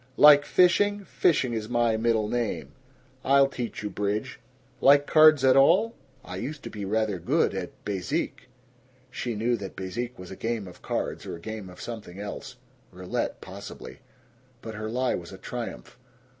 "Like fishing? Fishing is my middle name. I'll teach you bridge. Like cards at all?" "I used to be rather good at bezique." She knew that bezique was a game of cards or a game of something else. Roulette, possibly. But her lie was a triumph.